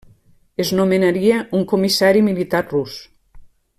Es nomenaria un comissari militar rus.